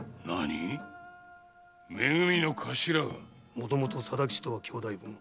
もともと貞吉とは兄弟分。